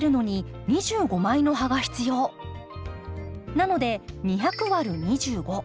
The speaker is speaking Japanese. なので２００÷２５。